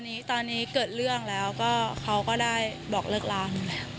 มีค่ะแต่ตอนนี้เกิดเรื่องแล้วเขาก็ได้บอกเลิกล้าง